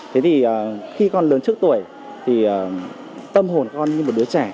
thế thì khi con lớn trước tuổi thì tâm hồn con như một đứa trẻ